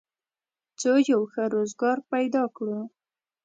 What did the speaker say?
څو یو ښه روزګار پیدا کړو